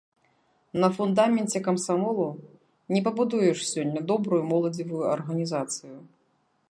На фундаменце камсамолу не пабудуеш сёння добрую моладзевую арганізацыю.